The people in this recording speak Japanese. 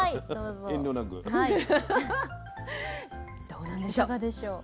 どうなんでしょう？